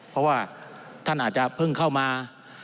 เพราะว่าท่านอาจจะเพิ่งเข้ามา